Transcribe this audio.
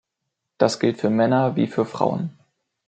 Das gilt für Männer wie für Frauen.